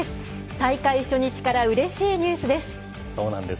大会初日からうれしいニュースです。